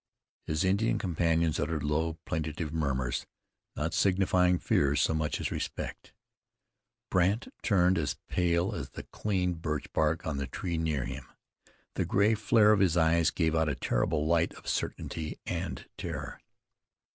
His Indian companions uttered low, plaintive murmurs, not signifying fear so much as respect. Brandt turned as pale as the clean birch bark on the tree near him. The gray flare of his eyes gave out a terrible light of certainty and terror.